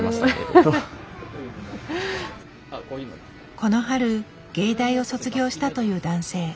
この春芸大を卒業したという男性。